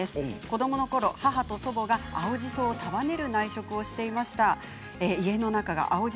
子どものころ、母の祖母が青じそを束ねる内職をしていました。